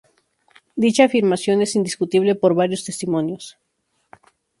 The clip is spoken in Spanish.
Dicha afirmación es indiscutible -por varios testimonios-.